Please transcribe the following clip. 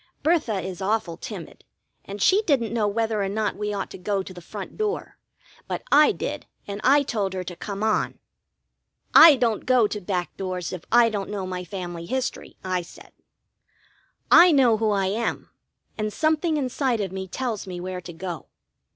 Bertha is awful timid, and she didn't know whether or not we ought to go to the front door; but I did, and I told her to come on. "I don't go to back doors, if I don't know my family history," I said. "I know who I am, and something inside of me tells me where to go."